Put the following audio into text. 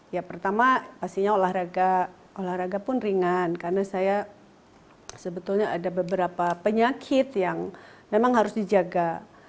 ya pertama pastinya olahraga olahraga pun ringan karena saya sebetulnya ada beberapa penyakit yang memang harus dijaga